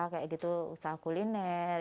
kayak gitu usaha kuliner